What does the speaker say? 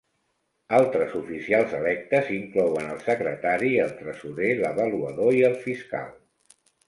Altres oficials electes inclouen el secretari, el tresorer, l'avaluador i el fiscal.